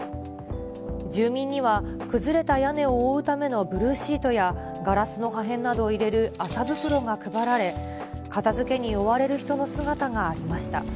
住民には崩れた屋根を覆うためのブルーシートや、ガラスの破片などを入れる麻袋が配られ、片づけに追われる人の姿がありました。